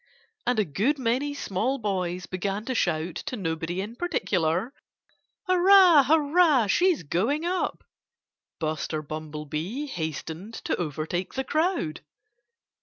And a good many small boys began to shout to nobody in particular, "Hurrah! hurrah! She's going up!" Buster Bumblebee hastened to overtake the crowd.